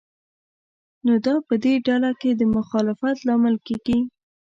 نو دا په دې ډله کې د مخالفت لامل کېږي.